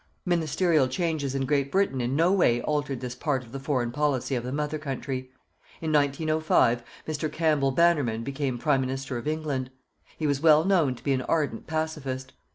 Ministerial changes in Great Britain in no way altered this part of the foreign policy of the Mother Country. In 1905, Mr. Campbell Bannerman became Prime Minister of England. He was well known to be an ardent pacifist.